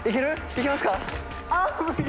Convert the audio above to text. いけますか？